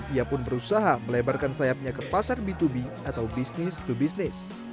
ia pun berusaha melebarkan sayapnya ke pasar b dua b atau business to business